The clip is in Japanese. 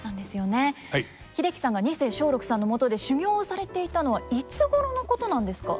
英樹さんが二世松緑さんのもとで修業をされていたのはいつごろのことなんですか？